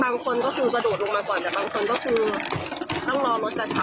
บางคนก็คือจะดูดลงมาก่อนบางคนก็คือนั่งรอรถจากเท้า